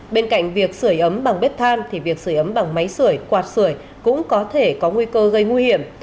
bên cạnh việc sửa ấm bằng bếp than thì việc sửa ấm bằng máy sửa quạt sửa cũng có thể có nguy cơ gây nguy hiểm